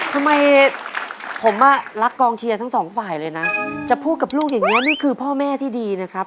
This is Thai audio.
ทำไมผมอ่ะรักกองเชียร์ทั้งสองฝ่ายเลยนะจะพูดกับลูกอย่างนี้ว่านี่คือพ่อแม่ที่ดีนะครับ